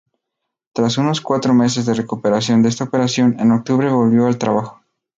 Tras unos cuatro meses de recuperación de esta operación, en octubre volvió al trabajo.